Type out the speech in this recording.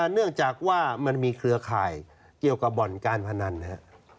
เนื่องจากว่ามันมีเครือข่ายเกี่ยวกับบ่อนการพนันนะครับ